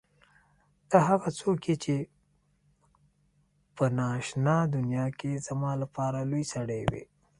ته هغه څوک چې په نا آشنا دنیا کې زما لپاره لوى سړى وې.